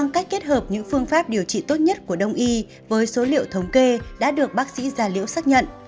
cách kết hợp những phương pháp điều trị tốt nhất của đông y với số liệu thống kê đã được bác sĩ gia liễu xác nhận